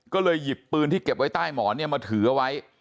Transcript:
ก็เลยหยิบปืนที่เก็บไว้ใต้หมอนเนี่ยมาถือเอาไว้